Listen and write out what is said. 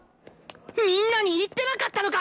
みんなに言ってなかったのか！？